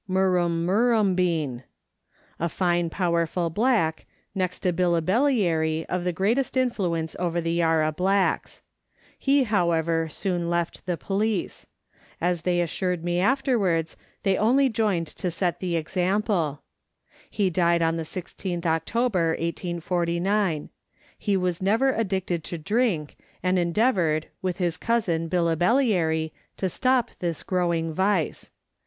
Murrumbean (Mur rum Mur mm beari). A fine powerful black, next to Billibellary of the greatest influence over the Yarra blacks. He, however, soon left the police. As they assured me afterwards, they only joined to set the example ; he died on the IGth October 1849. He was never addicted to drink, and endeav oured, with his cousin Billibellary, to stop this growing vice.